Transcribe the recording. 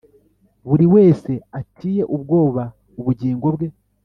buri wese a tiye ubwoba ubugingo bwe